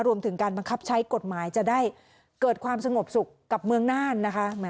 รวมถึงการบังคับใช้กฎหมายจะได้เกิดความสงบสุขกับเมืองน่านนะคะ